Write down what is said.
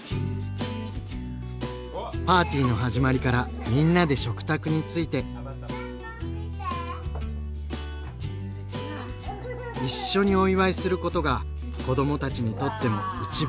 パーティーの始まりからみんなで食卓について。一緒にお祝いすることが子どもたちにとっても一番うれしいこと。